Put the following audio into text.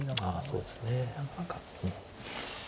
ああそうですね。